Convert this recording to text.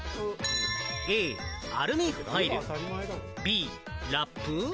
Ａ・アルミホイル、Ｂ・ラップ？